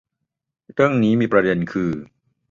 เรื่องนี้มีประเด็นคือ